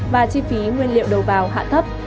và chi phí nguyên liệu đầu vào hạ thấp